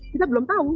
kita belum tahu